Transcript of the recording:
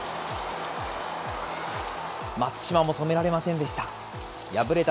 松島も止められませんでした。